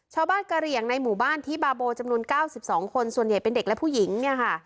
ชาวบ้านกะเรียงในหมู่บ้านที่บาโบจำนวนเก้าสิบสองคนส่วนใหญ่เป็นเด็กและผู้หญิงเนี่ยค่ะ